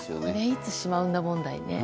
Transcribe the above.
いつしまうんだ問題ね。